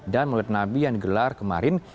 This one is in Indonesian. dan melihat nabi yang digelar kemarin